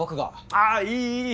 ああいいいい！